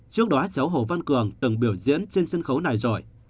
trước đó cháu hồ văn cường từng biểu diễn trên sân khấu này rồi